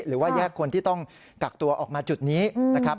หรือว่าแยกคนที่ต้องกักตัวออกมาจุดนี้นะครับ